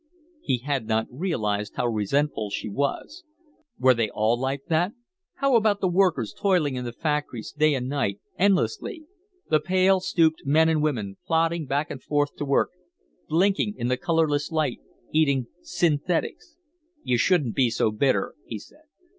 He had not realized how resentful she was. Were they all like that? How about the workers toiling in the factories, day and night, endlessly? The pale, stooped men and women, plodding back and forth to work, blinking in the colorless light, eating synthetics "You shouldn't be so bitter," he said.